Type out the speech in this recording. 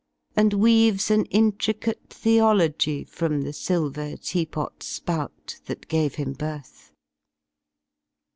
And weaves an intricate theology From the silver tea pot spout, that gave him birth.